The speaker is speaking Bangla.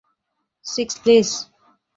Six, please.